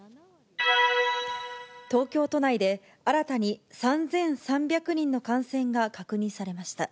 東京都内で、新たに３３００人の感染が確認されました。